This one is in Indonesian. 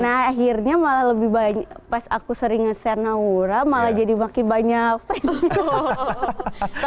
nah akhirnya malah lebih banyak pas aku sering nge share naura malah jadi makin banyak fans gitu loh